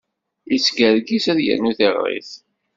Yettgergiz ad yernu tiɣrit.